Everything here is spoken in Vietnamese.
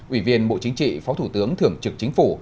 ủy viên bộ chính trị phó thủ tướng thường trực chính phủ